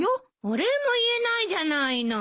お礼も言えないじゃないの。